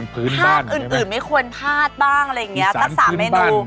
พากอื่นไม่ควรพาดบ้างอะไรแบบนี้